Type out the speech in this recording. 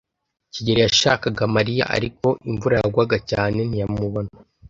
kigeli yashakaga Mariya, ariko imvura yagwaga cyane ntiyamubona.